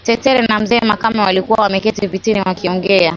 Tetere na mzee makame walikuwa wameketi vitini wakiongea